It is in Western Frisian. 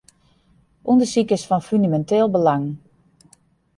Undersyk is fan fûneminteel belang.